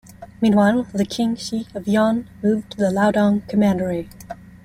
Meanwhile, the King Xi of Yan moved to the Liaodong Commandery.